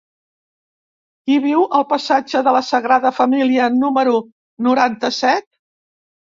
Qui viu al passatge de la Sagrada Família número noranta-set?